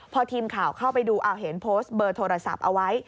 พอทีมข่าวเข้าไปดูเอาเห็นโพสต์เบอร์โทรศัพท์เอาไว้